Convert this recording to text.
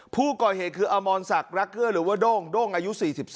ผู้ก่อเหตุคืออมรศักดิ์รักเกื้อหรือว่าโด้งโด้งอายุ๔๒